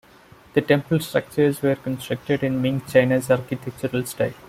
The temple structures were constructed in Ming China's architectural style.